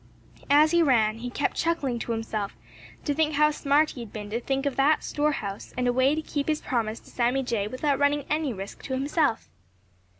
As he ran, he kept chuckling to himself to think how smart he had been to think of that store house and a way to keep his promise to Sammy Jay without running any risk to himself.